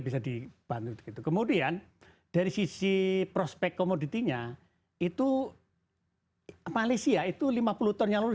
bisa dibantu kemudian dari sisi prospek commodity nya itu malaysia itu lima puluh ton yang lulus